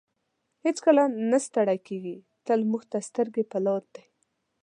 هېڅکله نه ستړی کیږي تل موږ ته سترګې په لار دی.